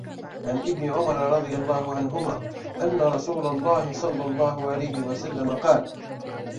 عن ابنِ عُمَرَ رَضِي اللهُ عَنْهُما أنَّ رسولَ اللهِ صَلَّى اللهُ عَلَيْهِ وَسَلَّمَ قالَ: